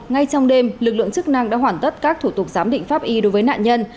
ngay trong đêm lực lượng chức năng đã hoàn tất các thủ tục giám định pháp y đối với nạn nhân